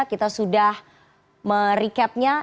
kita sudah merecapnya